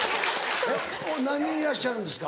何人いらっしゃるんですか？